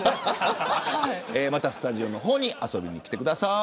またスタジオの方に遊びに来てください。